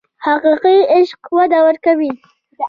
حقیقي عشق وده ورکوي.